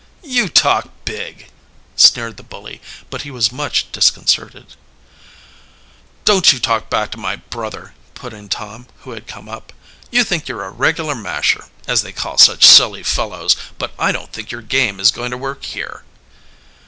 "You talk big!" sneered the bully, but he was much disconcerted. "Don't you talk back to my brother," put in Tom, who had come up. "You think you're a regular masher, as they call such silly fellows, but I don't think your game is going to work here."